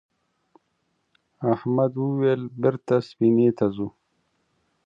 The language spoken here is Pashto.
احمد وویل بېرته سفینې ته ځو.